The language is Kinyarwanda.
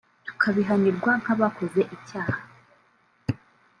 tukabihanirwa nk’abakoze icyaha